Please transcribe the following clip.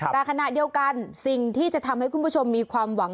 แต่ขณะเดียวกันสิ่งที่จะทำให้คุณผู้ชมมีความหวัง